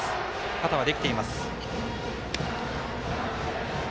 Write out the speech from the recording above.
肩はできています。